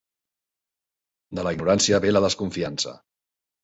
De la ignorància ve la desconfiança.